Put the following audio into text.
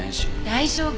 大丈夫。